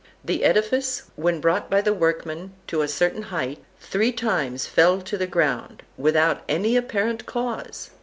The edifice, when brought by the workmen to a certain height, three times fell to the ground, without any apparent cause.